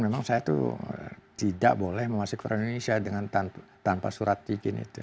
memang saya itu tidak boleh memasuki orang indonesia tanpa surat izin itu